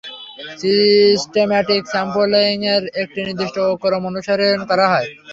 Systematic স্যাম্পলিংএ একটি নির্দিষ্ট ক্রম অনুসরণ করা হয়।